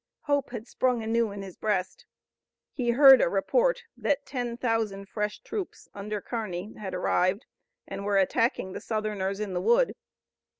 Hope had sprung anew in his breast. He heard a report that ten thousand fresh troops under Kearney had arrived and were attacking the Southerners in the wood.